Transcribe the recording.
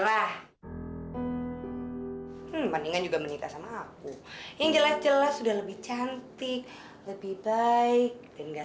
sampai jumpa di video selanjutnya